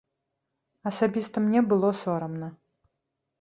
Асабіста мне было сорамна.